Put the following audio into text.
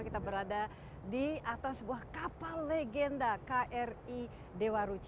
kita berada di atas sebuah kapal legenda kri dewa ruchi